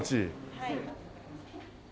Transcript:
はい。